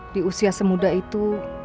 di usia semuda itu